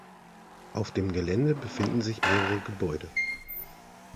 Auf dem Gelände befinden sich mehrere Gebäude.